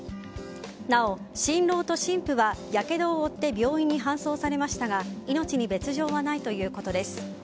なお新郎と新婦はやけどを負って病院に搬送されましたが命に別条はないということです。